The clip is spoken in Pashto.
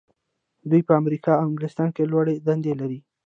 دوی په امریکا او انګلستان کې لوړې دندې لري.